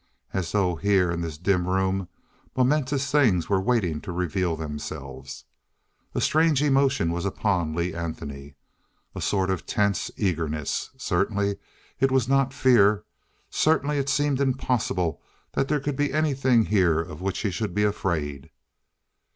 As though, here in this dim room, momentous things were waiting to reveal themselves. A strange emotion was upon Lee Anthony. A sort of tense eagerness. Certainly it was not fear. Certainly it seemed impossible that there could be anything here of which he should be afraid.